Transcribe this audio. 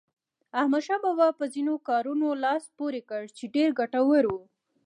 احمدشاه بابا په ځینو کارونو لاس پورې کړ چې ډېر ګټور وو.